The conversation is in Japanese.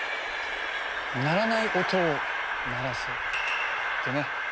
「鳴らない音を鳴らせ」ってね。